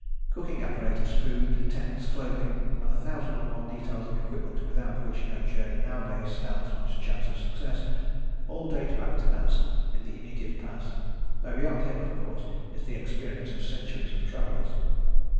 Cooking apparatus, food, tents, clothing and the thousand and one details of equipment without which no journey nowadays stands much chance of success, all date back to Nansen in the immediate past, though beyond him of course is the experience of centuries of travellers.